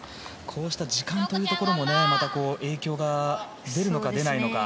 こうした時間というのも影響が出るのか出ないのか。